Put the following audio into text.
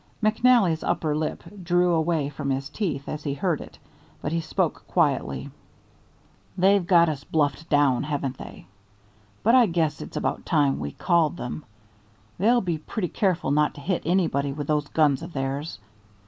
McNally's upper lip drew away from his teeth as he heard it, but he spoke quietly. "They've got us bluffed down, haven't they? But I guess it's about time we called them. They'll be pretty careful not to hit anybody with those guns of theirs.